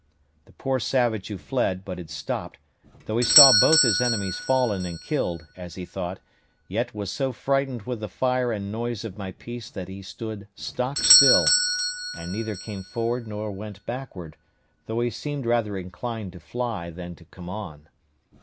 The poor savage who fled, but had stopped, though he saw both his enemies fallen and killed, as he thought, yet was so frightened with the fire and noise of my piece that he stood stock still, and neither came forward nor went backward, though he seemed rather inclined still to fly than to come on.